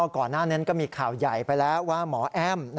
ก่อนหน้านั้นก็มีข่าวใหญ่ไปแล้วว่าหมอแอ้ม